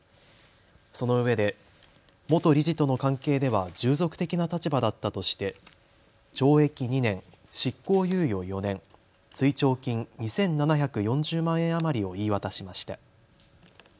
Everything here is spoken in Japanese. そのうえで、元理事との関係では従属的な立場だったとして懲役２年、執行猶予４年、追徴金２７４０万円余りを言い渡しました。